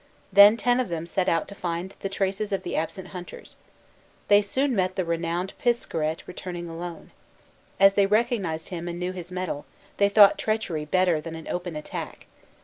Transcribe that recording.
Then ten of them set out to find the traces of the absent hunters. They soon met the renowned Piskaret returning alone. As they recognized him and knew his mettle, they thought treachery better than an open attack.